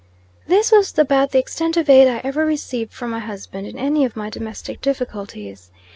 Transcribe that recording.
This was about the extent of aid I ever received from my husband in any of my domestic difficulties.